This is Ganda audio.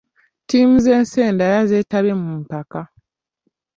Ttiimi z'ensi endala zeetabye mu mpaka.